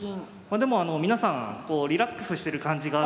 でも皆さんこうリラックスしてる感じがあって。